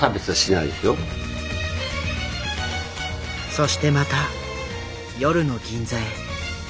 そしてまた夜の銀座へ。